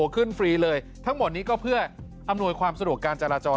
ฟรีเลยทั้งหมดนี้ก็เพื่ออำนวยความสะดวกการจราจร